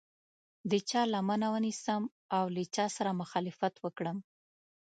د چا لمنه ونیسم او له چا سره مخالفت وکړم.